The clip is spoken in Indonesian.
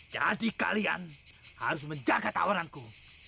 jadi kalian harus menjaga tawaranku